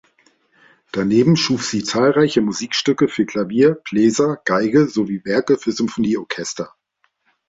Daneben schuf sie zahlreiche Musikstücke für Klavier, Bläser, Geige sowie Werke für Symphonieorchester.